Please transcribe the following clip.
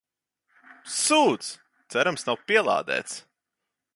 Sūds, cerams nav pielādēts.